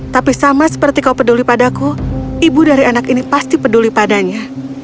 tapi sama seperti kau peduli padaku ibu dari anak ini pasti peduli padanya